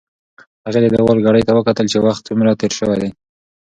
هغې د دېوال ګړۍ ته وکتل چې وخت څومره تېر شوی دی.